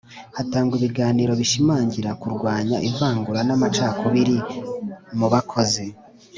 Hatangwa ibiganiro bishimangira kurwanya ivangura n amacakubiri mu bakozi